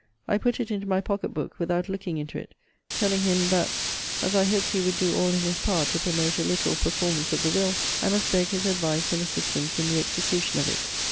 I put it into my pocket book, without looking into it; telling him, that as I hoped he would do all in his power to promote a literal performance of the will, I must beg his advice and assistance in the execution of it.